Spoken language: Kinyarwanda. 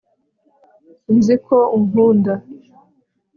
nzi ko unkunda